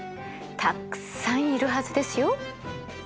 たくさんいるはずですよ。